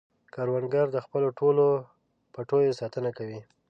کروندګر د خپلو ټولو پټیو ساتنه کوي